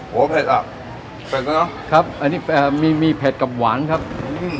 เผ็ดอ่ะเผ็ดแล้วเนอะครับอันนี้มีมีเผ็ดกับหวานครับอืม